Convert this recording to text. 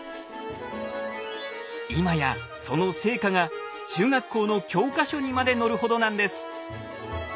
今やその成果が中学校の教科書にまで載るほどなんです。